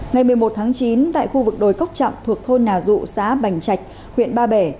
ngày một mươi một tháng chín tại khu vực đồi cốc chặng thuộc thôn nà rụ xã bành trạch huyện ba bể